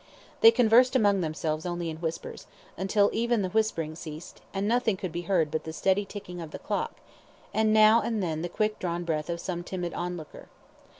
They conversed among themselves only in whispers, until even the whispering ceased, and nothing could be heard but the steady ticking of the clock, and now and then the quick drawn breath of some timid on looker.